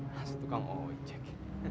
masa tukang ojek